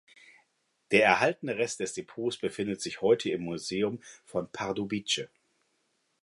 Der erhaltene Rest des Depots befindet sich heute im Museum von Pardubice.